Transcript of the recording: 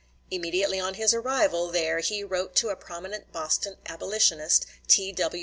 Immediately on his arrival there he wrote to a prominent Boston abolitionist, T.W.